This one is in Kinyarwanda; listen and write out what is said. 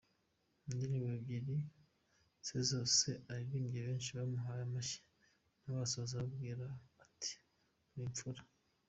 Indirimbo ebyiri ze zose aririmbye benshi bamuhaye amashyi, nawe asoza ababwira ati ‘muri imfura’.